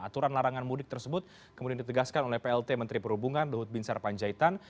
aturan larangan mudik tersebut kemudian ditegaskan oleh plt menteri perhubungan luhut bin sarpanjaitan